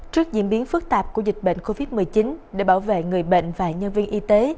trước diễn biến phức tạp của dịch bệnh covid một mươi chín để bảo vệ người bệnh và nhân viên y tế